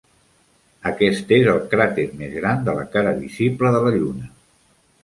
Aquest és el cràter més gran de la cara visible de la Lluna.